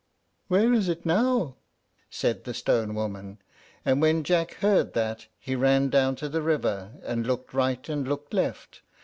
_ "Where is it now?" said the stone woman; and when Jack heard that he ran down to the river, and looked right and looked left.